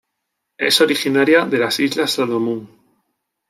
Es originaria de las Islas Salomón.